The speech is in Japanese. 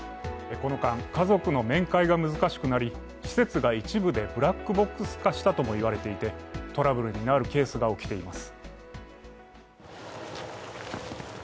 この間、家族の面会が難しくなり施設でブラックボックス化したとも言われていて、トラブルになるケースが起きています。